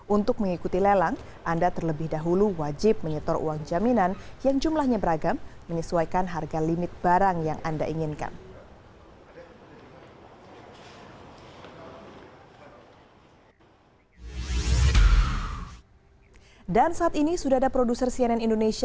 untuk mengikuti lelang anda terlebih dahulu wajib menyetor uang jaminan yang jumlahnya beragam menyesuaikan harga limit barang yang anda inginkan